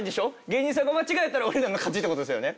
芸人さんが間違えたら俺らの勝ちって事ですよね？